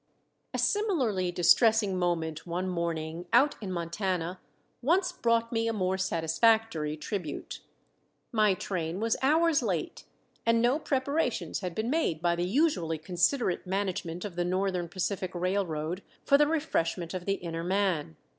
A similarly distressing moment one morning out in Montana once brought me a more satisfactory tribute. My train was hours late, and no preparations had been made by the usually considerate management of the Northern Pacific Railroad for the refreshment of the inner man.